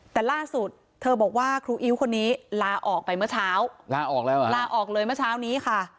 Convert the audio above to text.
แต่ล่าสุดเธอบอกว่าครูอิ๊วคนนี้ลาออกไปเมื่อเช้าลาออกแล้วเหรอลาออกเลยเมื่อเช้านี้ค่ะ